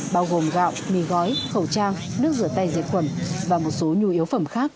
bao gồm gạo mì gói khẩu trang nước rửa tay dây quẩm và một số nhu yếu phẩm khác